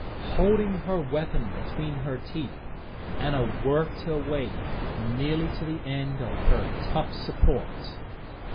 Holding her weapon between her teeth, Anna worked her way nearly to the end of her tough support.